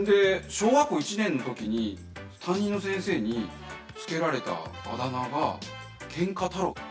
小学校１年のときに、担任の先生に付けられたあだ名が、けんか太郎。